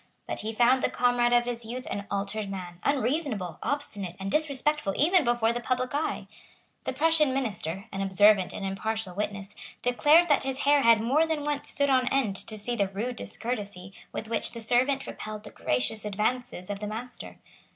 But he found the comrade of his youth an altered man, unreasonable, obstinate and disrespectful even before the public eye. The Prussian minister, an observant and impartial witness, declared that his hair had more than once stood on end to see the rude discourtesy with which the servant repelled the gracious advances of the master.